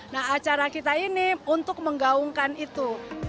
nah acara kita ini untuk menggaungkan itu